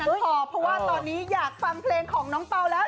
พอเพราะว่าตอนนี้อยากฟังเพลงของน้องเปล่าแล้ว